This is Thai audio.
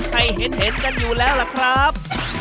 ให้เห็นกันอยู่แล้วล่ะครับ